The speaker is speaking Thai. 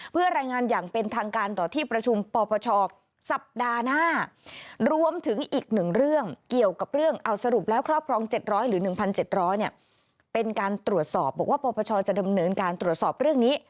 เป็นการตรวจสอบบอกว่าปปชจะดำเนินการตรวจสอบเรื่องนี้